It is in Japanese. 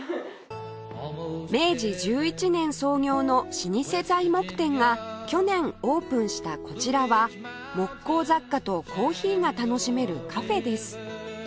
明治１１年創業の老舗材木店が去年オープンしたこちらは木工雑貨とコーヒーが楽しめるカフェです